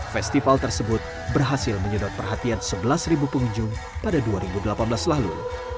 festival tersebut berhasil menyedot perhatian sebelas pengunjung pada dua ribu delapan belas lalu